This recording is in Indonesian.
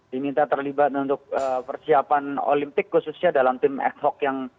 diminta terlibat untuk persiapan olimpik khususnya dalam tim ad hoc yang